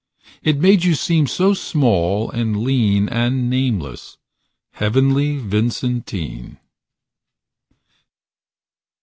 It made you seem so small and lean And nameless. Heavenly Vincentine